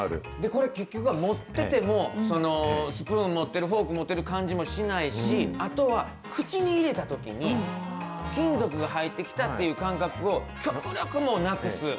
これ、結局は持っててもスプーンを持ってる、フォークを持ってる感じもしないし、あとは口に入れたときに金属が入ってきたっていう感覚を極力なくす。